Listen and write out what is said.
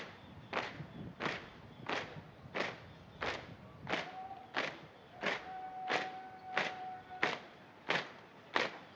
laporan komandan upacara kepada inspektur upacara